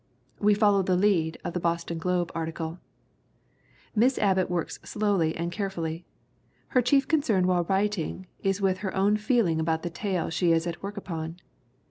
We follow the lead of the Boston Globe article: Miss Abbott works slowly and carefully. Her chief concern while writing is with her own feeling about the tale she is at work upon.